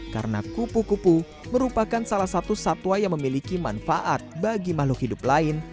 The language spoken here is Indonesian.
karena kupu kupu merupakan salah satu satwa yang memiliki manfaat bagi makhluk hidup lain